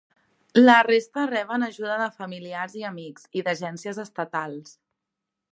La resta reben ajuda de familiars i amics, i d'agències estatals.